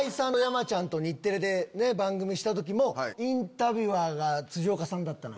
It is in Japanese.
日テレで番組した時もインタビュアーが辻岡さんだった。